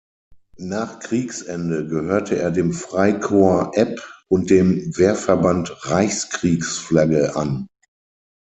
Nach Kriegsende gehörte er dem Freikorps Epp und dem Wehrverband Reichskriegsflagge an.